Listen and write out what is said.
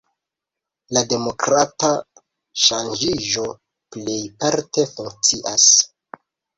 La demokrata ŝanĝiĝo plejparte funkcias.